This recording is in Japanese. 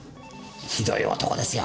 ひどい男ですよ。